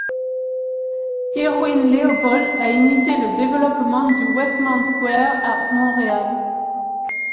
Irwin Léopold a initié le développement du Westmount Square à Montréal.